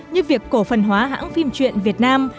như việc cổ phần hóa hãng phim truyện việt nam